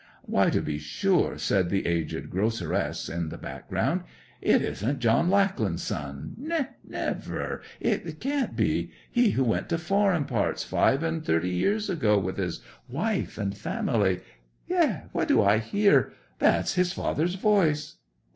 'Why, to be sure,' said the aged groceress in the background, 'it isn't John Lackland's son—never—it can't be—he who went to foreign parts five and thirty years ago with his wife and family? Yet—what do I hear?—that's his father's voice!